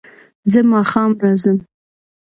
زه ماښام راځم